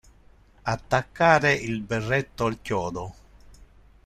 Attaccare il berretto al chiodo.